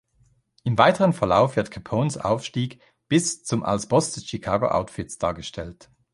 Im weiteren Verlauf wird Capones Aufstieg bis zum als Boss des Chicago Outfits dargestellt.